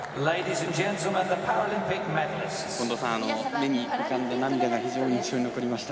目に浮かんだ涙が非常に印象に残りました。